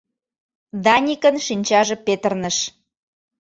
Даникын шинчаже петырныш.